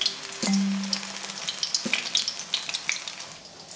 うん。